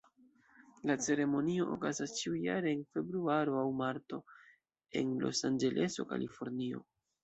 La ceremonio okazas ĉiujare en februaro aŭ marto, en Losanĝeleso, Kalifornio.